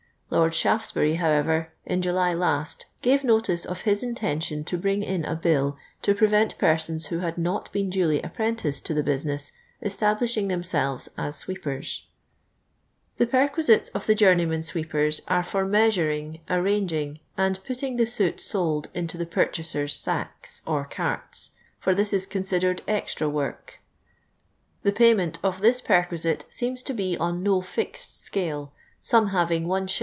Loni Shal'tfsbury, Imwcver, in July lost, gave notice of hU intention to bring in a bill to prevent persons whu had n«it been duly a}>pren ticed to the business esublishing themselves us sweepers. T/c« I\rijtiut't'A <it the journeymen sweepers are for nieasunnu', arrani ing, and pniung the sout sold into the purchasers' s:ickn, or caiu; tor this is considered extni work. The jmunent of this pi*r quisitc seems lo be on no iixed scale, some having l.